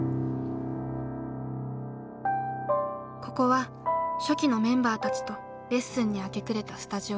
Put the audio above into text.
ここは初期のメンバーたちとレッスンに明け暮れたスタジオです。